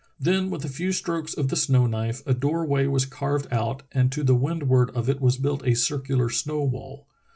Then with a few strokes of the snow knife a door way was carved out and to the windward of it was built a circular snow wall.